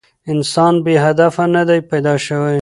انسان بې هدفه نه دی پيداشوی